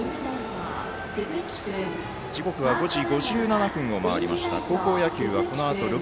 時刻は５時５５分を回りました。